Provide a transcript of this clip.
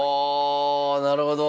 ああなるほど。